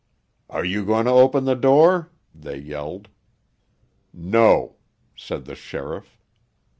"Are you going to open the door?" they yelled. "No!" said the sheriff.